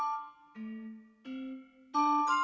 ini mbak mbak ketinggalan